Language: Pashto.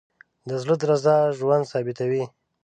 د زړه درزا ژوند ثابتوي.